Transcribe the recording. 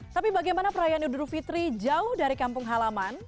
tapi bagaimana perayaan idul fitri jauh dari kampung halaman